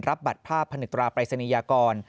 รับบัตรภาพพนึกตราปรายศนียากร